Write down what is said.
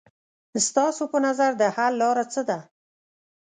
ستاسو په نظر د حل لاره څه ده؟